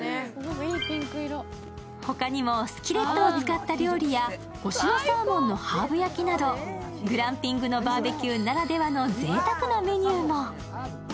他にもスキレットを使った料理や忍野サーモンのハーブ焼きなどグランピングのバーベキューならではのぜいたくなメニューも。